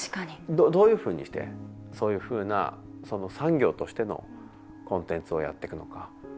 どういうふうにしてそういうふうな産業としてのコンテンツをやってくのか。